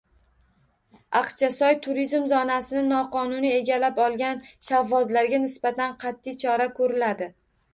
Aqchasoy turizm zonasini noqonuniy egallab olgan shavvozlarga nisbatan qatʼiy chora koʻriladi.